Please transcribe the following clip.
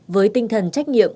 với tinh thần trách nhiệm